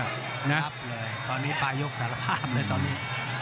กลายกล้องสารภาพเลยตอนนี้